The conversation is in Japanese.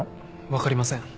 分かりません。